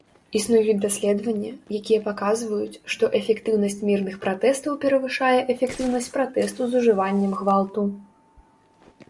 Існуюць даследаванні, якія паказваюць, што эфектыўнасць мірных пратэстаў перавышае эфектыўнасць пратэстаў з ужываннем гвалту.